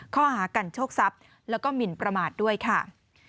ข้อหากันโชคทรัพย์แล้วก็หมินประมาทด้วยค่ะ